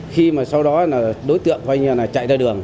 khi mà sau đó là đối tượng coi như là chạy ra đường